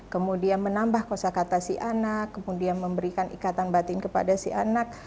kemudian menambah kosa kata si anak kemudian memberikan ikatan batin kepada si anak